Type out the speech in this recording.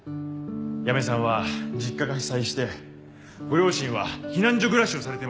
八女さんは実家が被災してご両親は避難所暮らしをされていました。